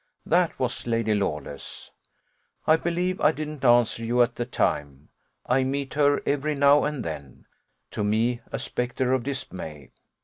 That was Lady Lawless: I believe I didn't answer you at the time. I meet her every now and then to me a spectre of dismay.